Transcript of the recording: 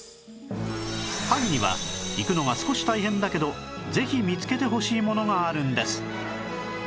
萩には行くのは少し大変だけどぜひ見つけてほしいものがあるんです